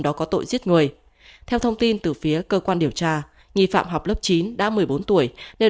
đó có tội giết người theo thông tin từ phía cơ quan điều tra nghi phạm học lớp chín đã một mươi bốn tuổi nên